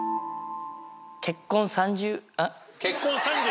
結婚３０？